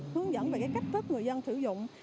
hướng dẫn về cách thức người dân sử dụng